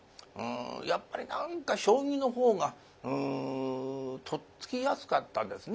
やっぱり何か将棋のほうがとっつきやすかったですね